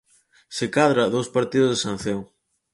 Se cadra, dous partidos de sanción.